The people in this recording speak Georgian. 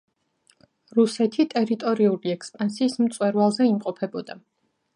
რუსეთი ტერიტორიული ექსპანსიის მწვერვალზე იმყოფებოდა.